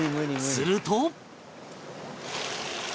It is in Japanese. すると